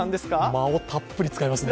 間をたっぷり使いますね。